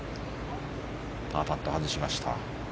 パーパットを外しました。